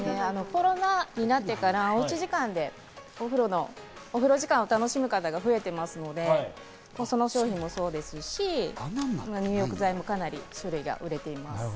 コロナ禍になってから、おふろじかんを楽しむ方が増えていますので、その商品もそうですし、入浴剤もかなりの種類が売れています。